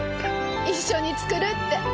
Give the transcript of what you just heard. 一緒に作るって。